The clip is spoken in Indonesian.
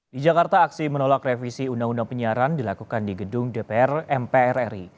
di jakarta aksi menolak revisi undang undang penyiaran dilakukan di gedung dpr mpr ri